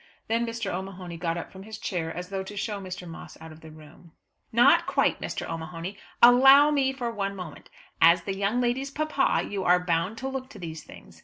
Then Mr. O'Mahony got up from his chair as though to show Mr. Moss out of the room. "Not quite, Mr. O'Mahony. Allow me for one moment. As the young lady's papa you are bound to look to these things.